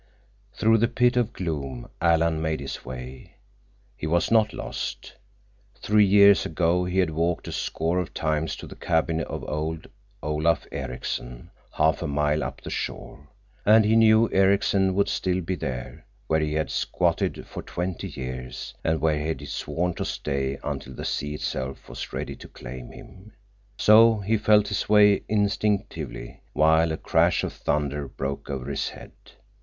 Through the pit of gloom Alan made his way. He was not lost. Three years ago he had walked a score of times to the cabin of old Olaf Ericksen, half a mile up the shore, and he knew Ericksen would still be there, where he had squatted for twenty years, and where he had sworn to stay until the sea itself was ready to claim him. So he felt his way instinctively, while a crash of thunder broke over his head.